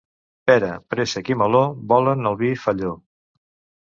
Pera, préssec i meló, volen el vi felló.